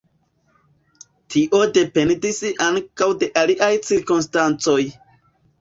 Tio dependis ankaŭ de aliaj cirkonstancoj.